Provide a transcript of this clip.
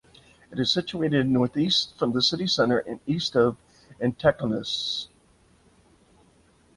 It is situated northeast from the city center and east of Antakalnis.